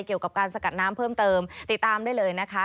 เกี่ยวกับการสกัดน้ำเพิ่มเติมติดตามได้เลยนะคะ